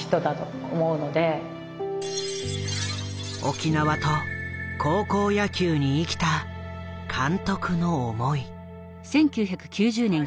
沖縄と高校野球に生きた監督の思い。